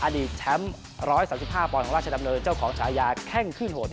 แชมป์๑๓๕ปอนดของราชดำเนินเจ้าของฉายาแข้งขึ้นโหด